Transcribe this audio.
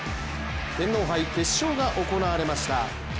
天皇杯決勝が行われました。